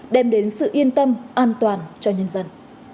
đem đến sự yên tâm an toàn cho nhân dân